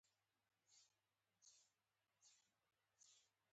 نړي د پرمختګ په لور روانه ده